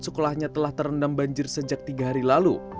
sekolahnya telah terendam banjir sejak tiga hari lalu